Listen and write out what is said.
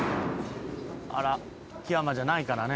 木山じゃないからね。